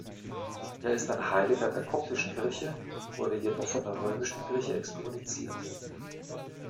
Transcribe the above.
Er ist ein Heiliger der koptischen Kirche, wurde jedoch von der römischen Kirche exkommuniziert.